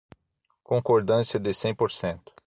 Concordância de cem por cento.